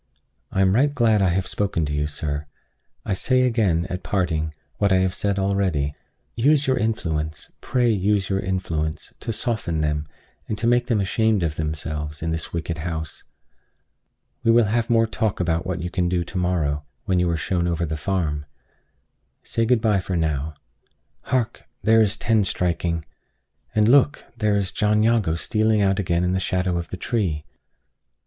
I am right glad I have spoken to you, sir. I say again, at parting, what I have said already: Use your influence, pray use your influence, to soften them, and to make them ashamed of themselves, in this wicked house. We will have more talk about what you can do to morrow, when you are shown over the farm. Say good by now. Hark! there is ten striking! And look! here is John Jago stealing out again in the shadow of the tree!